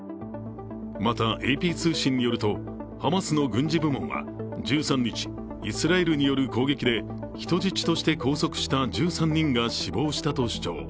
またＡＰ通信によると、ハマスの軍事部門は１３日イスラエルによる攻撃で人質として拘束した１３人が死亡したと主張。